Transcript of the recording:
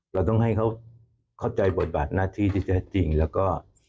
เราต้องให้เขาเข้าใจบทบาทหน้าที่ที่แท้จริงแล้วก็